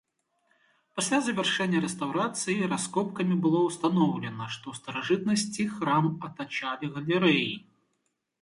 Пасля завяршэння рэстаўрацыі раскопкамі было ўстаноўлена, што ў старажытнасці храм атачалі галерэі.